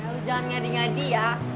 lu jangan ngadi ngadi ya